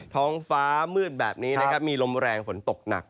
ท้องฟ้ามืดแบบนี้นะครับมีลมแรงฝนตกหนัก